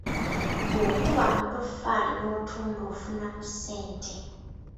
Bw'okuba amatoffaali n’otunda ofunamu ssente.